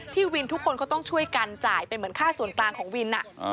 วินทุกคนเขาต้องช่วยกันจ่ายเป็นเหมือนค่าส่วนกลางของวิน